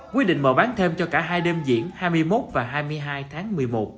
quy định mở bán thêm cho cả hai đêm diễn hai mươi một và hai mươi hai tháng một mươi một